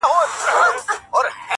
ته دوست پیدا که، دښمن پخپله پیدا کیږي -